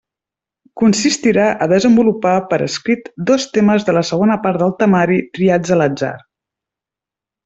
Consistirà a desenvolupar per escrit dos temes de la segona part del temari, triats a l'atzar.